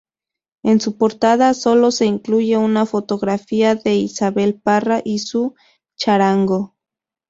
En su portada, sólo se incluye una fotografía de Isabel Parra y su charango.